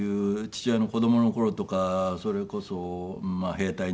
父親の子供の頃とかそれこそ兵隊に。